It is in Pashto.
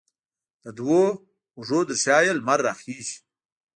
د دوو اوږو ترشا یې، لمر راخیژې